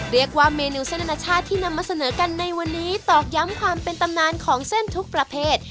เรียกว่าเมนูเส้นอนาชาติที่นำมาเสนอกันในวันนี้ตอกย้ำความเป็นตำนานของเส้นทุกประเภท